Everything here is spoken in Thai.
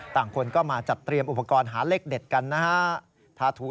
คนก็มาจัดเตรียมอุปกรณ์หาเลขเด็ดกันนะฮะ